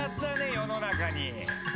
世の中に」